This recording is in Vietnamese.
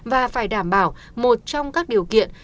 và phải đảm bảo một trong các điều kiện